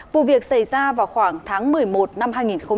vụ việc xảy ra vào khoảng tháng một mươi một năm hai nghìn hai mươi một